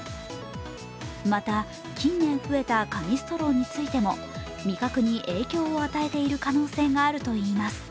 また、近年増えた紙ストローについても、味覚に影響を与えている可能性があるといいます。